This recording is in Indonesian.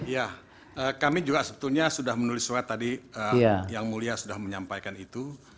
ya kami juga sebetulnya sudah menulis surat tadi yang mulia sudah menyampaikan itu